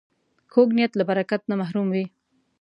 کوږ نیت له برکت نه محروم وي